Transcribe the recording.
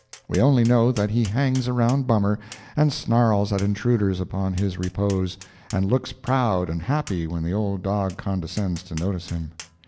We only know that he hangs around Bummer, and snarls at intruders upon his repose, and looks proud and happy when the old dog condescends to notice him.